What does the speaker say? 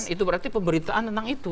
itu berarti pemberitaan tentang itu